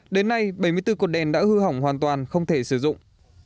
đến nay bảy mươi bốn cột đèn đã hư hỏng hoàn toàn không thể sử dụng